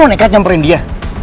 lo mau nekret nyamperin dia